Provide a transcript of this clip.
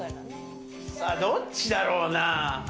さあ、どっちだろうな？